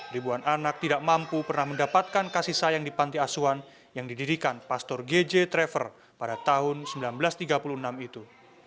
ribuan anak tidak mampu pernah mendapatkan kasih sayang di panti asuhan yang didirikan pastor gj drever pada tahun seribu sembilan ratus tiga puluh enam itu